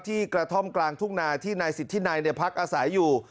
ที่กระท่อมกลางทุกนาที่นายสิทธินายในพรรคอาสายอยู่